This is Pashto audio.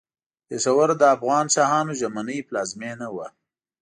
پېښور د افغان شاهانو ژمنۍ پلازمېنه وه.